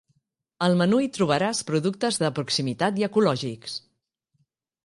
Al menú hi trobaràs productes de proximitat i ecològics.